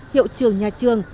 hiệu trường nhà trường